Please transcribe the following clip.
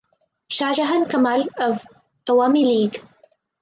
Shahjahan Kamal of Awami League.